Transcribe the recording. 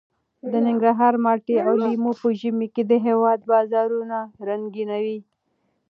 د ننګرهار مالټې او لیمو په ژمي کې د هېواد بازارونه رنګینوي.